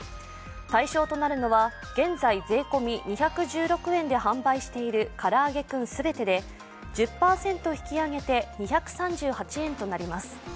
対象となるのは、現在、税込み２１６円で販売しているからあげクン全てで１０％引き上げて２３８円となります。